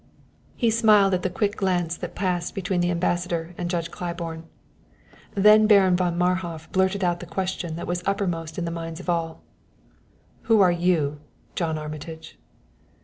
He smiled at the quick glance that passed between the Ambassador and Judge Claiborne. Then Baron von Marhof blurted out the question that was uppermost in the minds of all. "Who are you, John Armitage?"